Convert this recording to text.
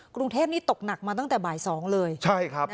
กรุงเทพนี่ตกหนักมาตั้งแต่บ่ายสองเลยใช่ครับ